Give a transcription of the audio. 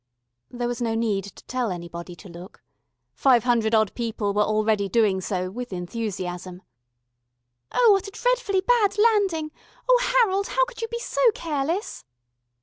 There was no need to tell anybody to look. Five hundred odd people were already doing so with enthusiasm. "Oh, what a dreadfully bad landing! Oh, Harold, how could you be so careless?"